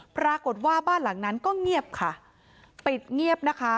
ปรากฏว่าบ้านหลังนั้นก็เงียบค่ะปิดเงียบนะคะ